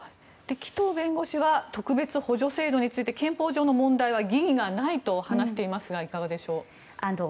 紀藤弁護士は特別補助制度については憲法上の問題は疑義がないと話していますがいかがでしょう。